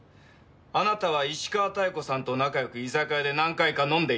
あなたは石川妙子さんと仲良く居酒屋で何回か飲んでいた。